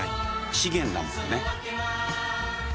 資源だもんね。